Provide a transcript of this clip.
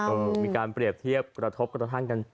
เออมีการเปรียบเทียบประทบกับต่อท่านกัน